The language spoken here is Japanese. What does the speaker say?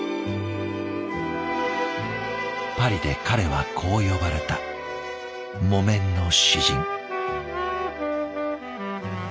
パリで彼はこう呼ばれた「木綿の詩人」。